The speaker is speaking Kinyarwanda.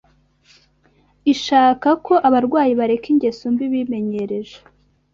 ishaka ko abarwayi bareka ingeso mbi bimenyereje